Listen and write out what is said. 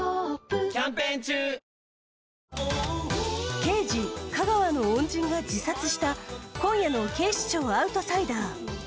刑事・架川の恩人が自殺した今夜の「警視庁アウトサイダー」。